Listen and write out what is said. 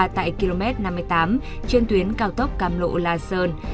tại km năm mươi tám trên tuyến cao tốc cam lộ la sơn